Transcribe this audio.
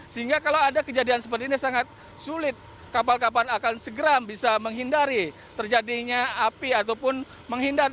sehingga kalau ada kejadian seperti ini sangat sulit kapal kapal akan segera bisa menghindari terjadinya api ataupun menghindar